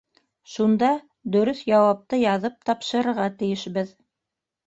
Шунда дөрөҫ яуапты яҙып тапшырырға тейешбеҙ.